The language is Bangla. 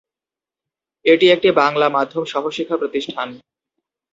এটি একটি বাংলা-মাধ্যম সহ-শিক্ষাপ্রতিষ্ঠান।